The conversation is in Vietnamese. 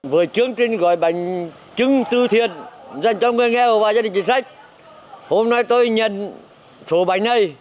với chương trình gọi bánh trưng tử thiện dành cho người nghèo và gia đình chính sách hôm nay tôi nhận số bánh này